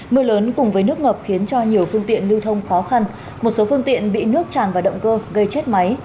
mưa lớn cùng với nước ngập khiến cho nhiều phương tiện lưu thông khó khăn một số phương tiện bị nước tràn vào động cơ gây chết máy